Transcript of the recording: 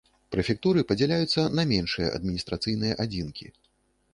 Прэфектуры падзяляюцца на меншыя адміністрацыйныя адзінкі.